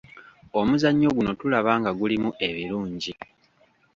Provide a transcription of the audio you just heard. Omuzannyo guno tulaba nga gulimu ebirungi.